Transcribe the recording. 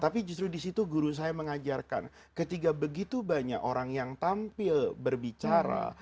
tapi justru disitu guru saya mengajarkan ketika begitu banyak orang yang tampil berbicara